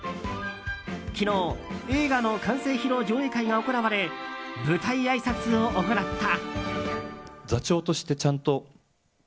昨日、映画の完成披露上映会が行われ舞台あいさつを行った。